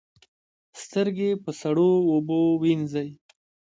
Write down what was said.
سترګې په سړو اوبو وینځئ